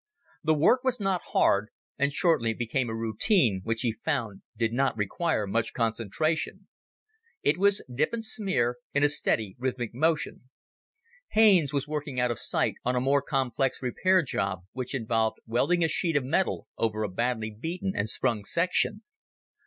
The work was not hard, and shortly became a routine which he found did not require much concentration. It was dip and smear, in a steady rhythmic motion. Haines was working out of sight on a more complex repair job which involved welding a sheet of metal over a badly beaten and sprung section.